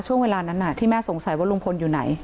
ช่วงเวลานั้นที่แม่สงสัยว่าลุงพลอยู่ไหน